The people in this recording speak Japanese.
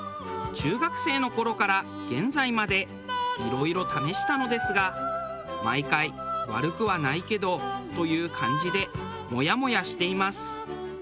中学生の頃から現在まで色々試したのですが毎回「悪くはないけど」という感じでモヤモヤしています。